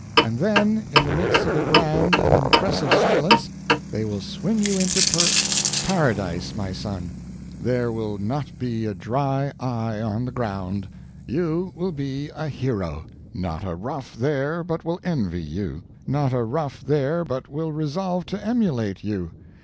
And then, in the midst of a grand and impressive silence, they will swing you into per Paradise, my son. There will not be a dry eye on the ground. You will be a hero! Not a rough there but will envy you. Not a rough there but will resolve to emulate you.